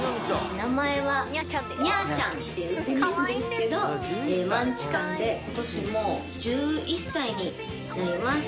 名前はにゃーちゃんっていうんですけどマンチカンで今年もう１１歳になります。